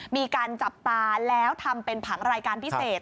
มีการจับตาแล้วทำเป็นผังรายการพิเศษ